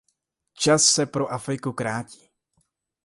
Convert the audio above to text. Čas se pro Afriku krátí.